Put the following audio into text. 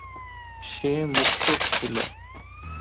সে মুক্ত ছিল।